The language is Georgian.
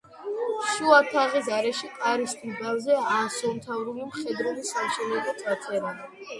შუა თაღის არეში, კარის ტიმპანზე, ასომთავრული მხედრული სამშენებლო წარწერაა.